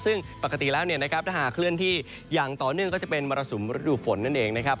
ซึ่งปกติแล้วเนี่ยนะครับถ้าหากเคลื่อนที่อย่างต่อเนื่องก็จะเป็นมรสุมฤดูฝนนั่นเองนะครับ